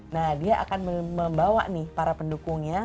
nah dia akan membawa nih para pendukungnya